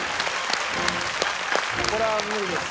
これは無理です。